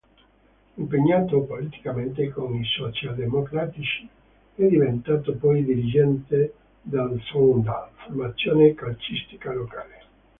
Impegnato politicamente con i socialdemocratici, è diventato poi dirigente del Sogndal, formazione calcistica locale.